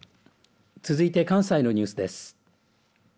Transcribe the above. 続いて関西のニュースです。